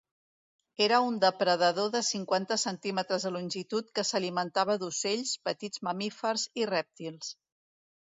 Era un depredador de cinquanta centímetres de longitud que s'alimentava d'ocells, petits mamífers i rèptils.